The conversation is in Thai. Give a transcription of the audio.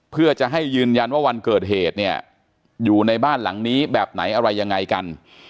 เพื่อจะให้ยืนยันว่าวันเกิดเหตุเนี่ยอยู่ในบ้านหลังนี้แบบไหนอะไรยังไงกัน